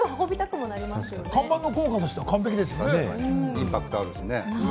看板の効果としては完璧インパクトあるしね。